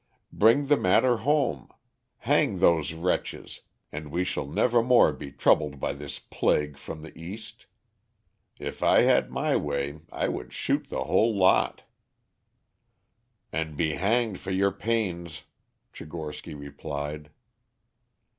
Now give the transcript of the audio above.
Bring the matter home, hang those wretches, and we shall never more be troubled by this plague from the East. If I had my way I should shoot the whole lot." "And be hanged for your pains," Tchigorsky replied.